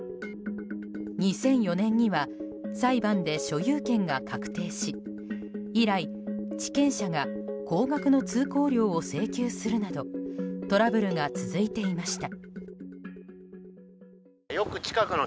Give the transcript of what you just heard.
２００４年には裁判で所有権が確定し以来、地権者が高額の通行料を請求するなどトラブルが続いていました。